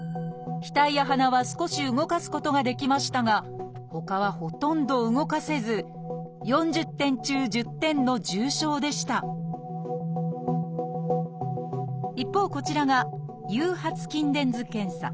額や鼻は少し動かすことができましたがほかはほとんど動かせず４０点中１０点の重症でした一方こちらが「誘発筋電図検査」。